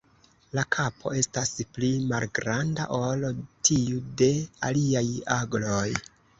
La kapo estas pli malgranda ol tiu de aliaj agloj.